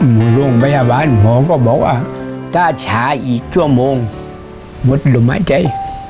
หลุมพยาบาลหมอก็บอกว่าถ้าช้าอีกชั่วโมงหมดหลุมมากใจ